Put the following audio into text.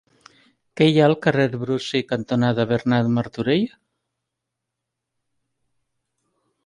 Què hi ha al carrer Brusi cantonada Bernat Martorell?